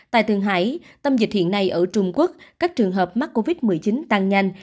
tại thường hải tâm dịch hiện nay ở trung quốc các trường hợp mắc covid một mươi chín tăng nhanh